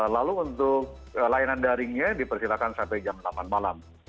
lalu untuk layanan daringnya diperkirakan sampai jam delapan malam